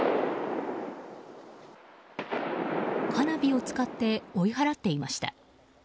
花火を使って追い払っていました。